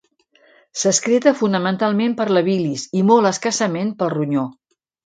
S'excreta fonamentalment per la bilis i molt escassament pel ronyó.